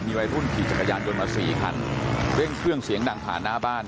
วัยรุ่นขี่จักรยานยนต์มาสี่คันเร่งเครื่องเสียงดังผ่านหน้าบ้าน